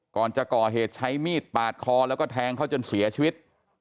ก่อนจะก่อเหตุใช้มีดปาดคอแล้วก็แทงเขาจนเสียชีวิต